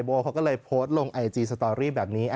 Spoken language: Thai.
โอเขาก็เลยโพสต์ลงไอจีสตอรี่แบบนี้